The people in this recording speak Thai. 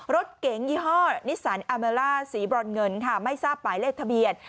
รถเก๋งยี่ห้อนิสสันอาเมล่าสีบรอนเงินค่ะไม่ทราบหมายเลขทะเบียน